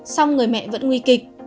song người mẹ vẫn nguy kịch